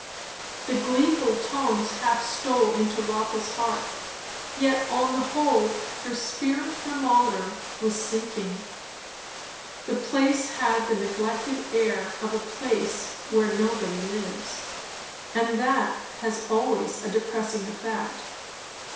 The gleeful tones half stole into Rotha's heart; yet on the whole her spirit thermometer was sinking. The place had the neglected air of a place where nobody lives, and that has always a depressing effect.